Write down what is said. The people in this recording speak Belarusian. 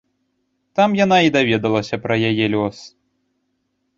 Там яна і даведалася пра яе лёс.